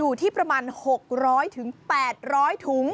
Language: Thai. อยู่ที่ประมาณ๖๐๐๘๐๐ถุง